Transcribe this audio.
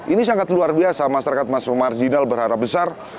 ini sangat luar biasa masyarakat masyarakat marginal berharap besar